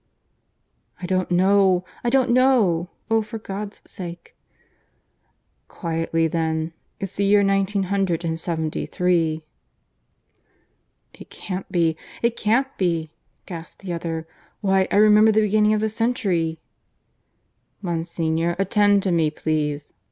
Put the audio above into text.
"I don't know. ... I don't know. ... Oh, for God's sake! ..." "Quietly then. ... It's the year nineteen hundred and seventy three." "It can't be; it can't be," gasped the other. "Why, I remember the beginning of the century." "Monsignor, attend to me, please.